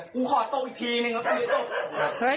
กูขอตกอีกทีหนึ่ง